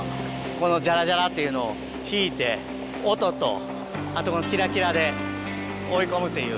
このジャラジャラっていうのを引いて音とあとこのキラキラで追い込むっていう。